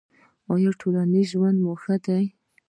ایا ټولنیز ژوند مو ښه دی؟